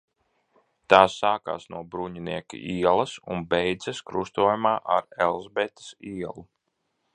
Tā sākas no Bruņinieku ielas un beidzas krustojumā ar Elizabetes ielu.